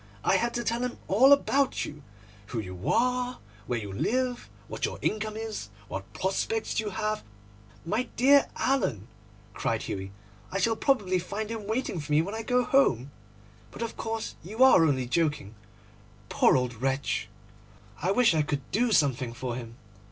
I had to tell him all about you—who you are, where you live, what your income is, what prospects you have—' 'My dear Alan,' cried Hughie, 'I shall probably find him waiting for me when I go home. But of course you are only joking. Poor old wretch! I wish I could do something for him.